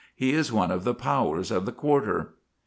He is one of the powers of the quarter.